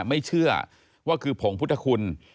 ไม่เชื่อว่าคือผงพุทธคุณ